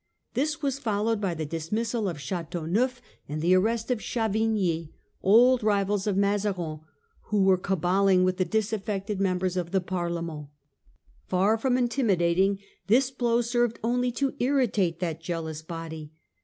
This was fol lowed by the dismissal of Ch&teauneuf and the arrest of Chavigni, old rivals of Mazarin, who were caballing with the disaffected members of the Parlement . Far from intimidating, this blow served only to irritate that jealous body.